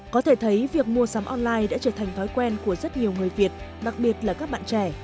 có thể thấy việc mua sắm online đã trở thành thói quen của rất nhiều người việt đặc biệt là các bạn trẻ